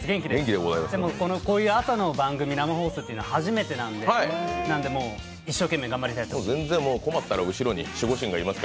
でもこういう朝の番組、生放送というのは初めてなんでもう一生懸命頑張りたいと思います。